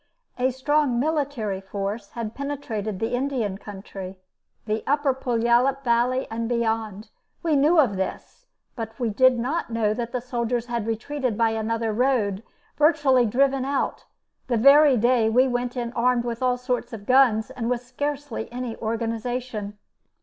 A strong military force had penetrated the Indian country the upper Puyallup valley and beyond. We knew of this, but did not know that the soldiers had retreated by another road, virtually driven out, the very day we went in armed with all sorts of guns and with scarcely any organization.